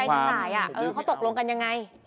เพราะฉะนั้นพี่หนุ่มพอใจจังหลายเขาตกลงกันอย่างไร